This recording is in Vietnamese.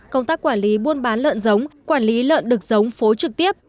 công tác quản lý buôn bán lợn giống quản lý lợn đực giống phố trực tiếp